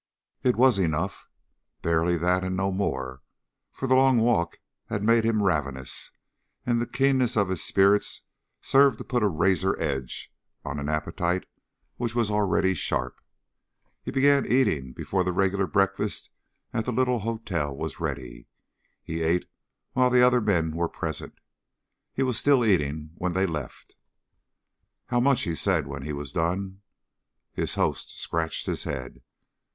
It was enough; barely that and no more, for the long walk had made him ravenous, and the keenness of his spirits served to put a razor edge on an appetite which was already sharp. He began eating before the regular breakfast at the little hotel was ready. He ate while the other men were present. He was still eating when they left. "How much?" he said when he was done. His host scratched his head.